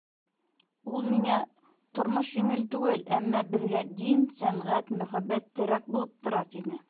Ул миңә, тормош еңел түгел, әммә беҙгә дин, сәнғәт, мөхәббәт терәк булып тора, тине.